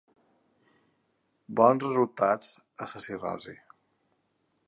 Bons resultats en la cirrosi.